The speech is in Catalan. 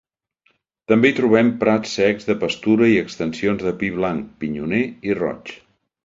També hi trobem prats secs de pastura i extensions de pi blanc, pinyoner i roig.